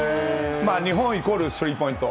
日本イコールスリーポイント。